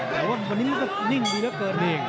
แต่ว่าตอนนี้มันก็นิ่งดีเยอะเกิน